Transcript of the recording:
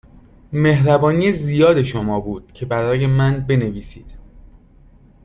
مهربانی زیاد شما بود که برای من بنویسید.